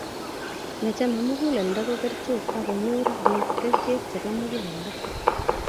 nechame muguleldo ko kerchek ak konyor bik kerchek chebo muguleldo